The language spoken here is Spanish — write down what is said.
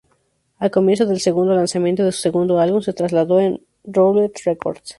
Al comienzo del segundo lanzamiento de su segundo álbum, se trasladó a Roulette Records.